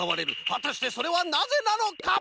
はたしてそれはなぜなのか！？